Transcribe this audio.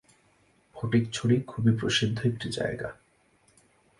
ফটিকছড়ি খুবই প্রসিদ্ধ একটি জায়গা।